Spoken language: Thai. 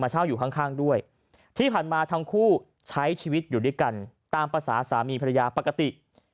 ใช้ชีวิตอยู่ด้วยกันตามภาษาสามีพระริยาปกติ